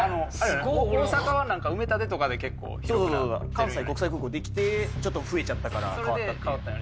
大阪は埋め立てとかで結構関西国際空港できてちょっと増えちゃったからそれで変わったんやね